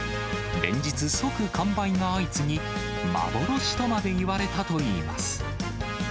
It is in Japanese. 連日、即完売が相次ぎ、幻とまでいわれたといいます。